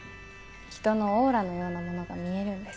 人のオーラのようなものが見えるんです。